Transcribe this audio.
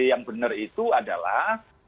yang benar itu adalah